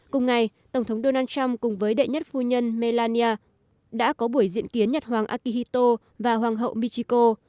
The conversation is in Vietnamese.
cùng ngày tổng thống donald trump cùng với đệ nhất phu nhân melania đã có buổi diễn kiến nhật hoàng akihito và hoàng hậu michiko